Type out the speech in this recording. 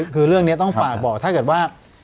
คือเรื่องนี้ต้องฝากบอกถ้าเกิดว่า